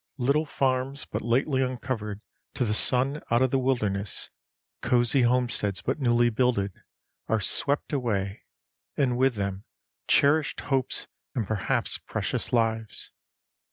Little farms but lately uncovered to the sun out of the wilderness, cosy homesteads but newly builded, are swept away, and with them cherished hopes and perhaps precious lives.